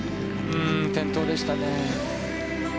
転倒でしたね。